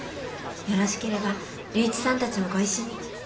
よろしければ龍一さんたちもご一緒に。